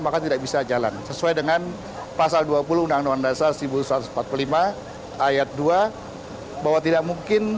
maka tidak bisa jalan sesuai dengan pasal dua puluh undang undang dasar seribu sembilan ratus empat puluh lima ayat dua bahwa tidak mungkin